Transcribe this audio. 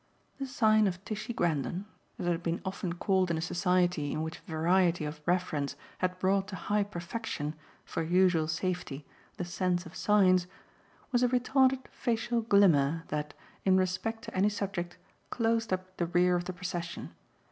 The sign of Tishy Grendon as it had been often called in a society in which variety of reference had brought to high perfection, for usual safety, the sense of signs was a retarded facial glimmer that, in respect to any subject, closed up the rear of the procession.